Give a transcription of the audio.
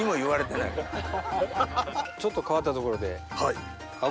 ちょっと変わったところで。